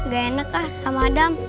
gak enak lah sama adam